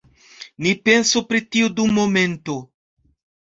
Ni pensu pri tio dum momento.